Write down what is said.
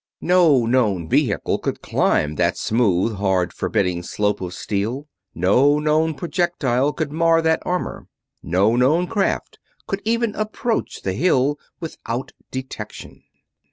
No known vehicle could climb that smooth, hard, forbidding slope of steel; no known projectile could mar that armor; no known craft could even approach the Hill without detection.